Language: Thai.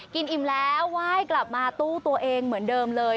อิ่มแล้วไหว้กลับมาตู้ตัวเองเหมือนเดิมเลย